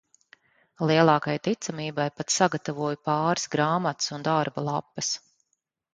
Lielākai ticamībai pat sagatavoju pāris grāmatas un darba lapas.